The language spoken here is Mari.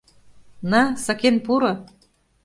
На, сакен пуро!..